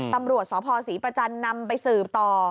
ตำรวจสพศรีประจันทร์นำไปสืบต่อ